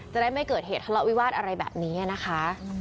จะได้ไม่เกิดเหตุทะเลาะวิวาสอะไรแบบนี้นะคะ